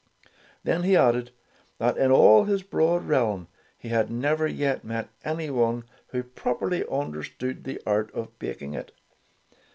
Then he added that in all his broad realm he had never yet met anyone who properly understood the art of baking it.